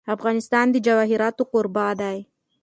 افغانستان د جواهرات کوربه دی.